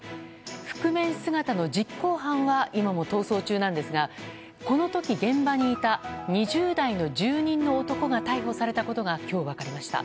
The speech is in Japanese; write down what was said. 覆面姿の実行犯は今も逃走中なんですがこの時現場にいた２０代の住人の男が逮捕されたことが今日、分かりました。